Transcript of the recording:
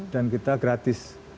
dan kita gratis